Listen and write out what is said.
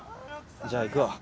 じゃ行くわ。